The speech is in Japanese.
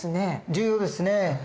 重要ですね。